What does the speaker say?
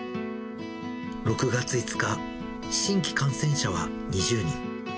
６月５日、新規感染者は２０人。